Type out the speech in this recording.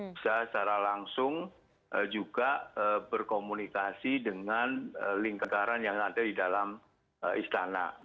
bisa secara langsung juga berkomunikasi dengan lingkaran yang ada di dalam istana